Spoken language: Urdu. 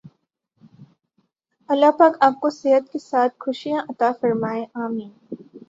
اللہ پاک آپ کو صحت کے ساتھ خوشیاں عطا فرمائے آمین